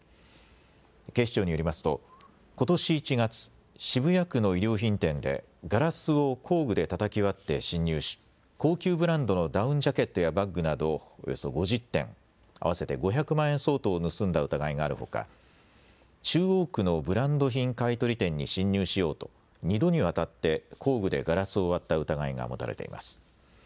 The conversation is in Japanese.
警視庁によりますとことし１月、渋谷区の衣料品店でガラスを工具でたたき割って侵入し高級ブランドのダウンジャケットやバッグなどおよそ５０点、合わせて５００万円相当を盗んだ疑いがあるほか中央区のブランド品買い取り店に侵入しようと２度にわたって工具でガラスを割った疑いが持たれています。